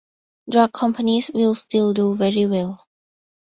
Drug companies will still do very well.